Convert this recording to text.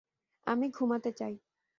আমি ঘুমাতে চাই!